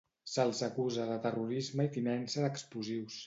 Se'ls acusa de terrorisme i tinença d'explosius.